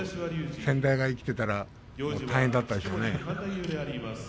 先代が生きていたら大変だったでしょうね。